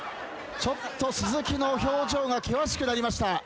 ちょっと鈴木の表情が険しくなりました。